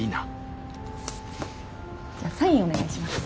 じゃあサインお願いします。